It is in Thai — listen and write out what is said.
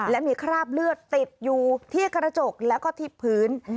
และมีคราบเลือดติดอยู่ที่กระจกแล้วก็ที่พื้น